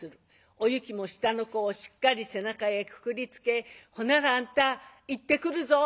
おゆきも下の子をしっかり背中へくくりつけ「ほならあんた行ってくるぞ」。